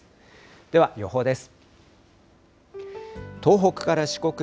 では予報です。